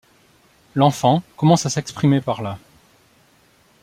L’enfant commence à s’exprimer par là.